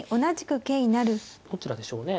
どちらでしょうね。